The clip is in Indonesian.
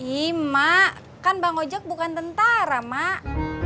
ihh mak kan bang ojak bukan tentara mak